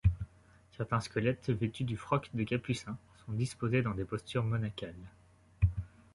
Certains squelettes vêtus du froc de capucin sont disposés dans des postures monacales.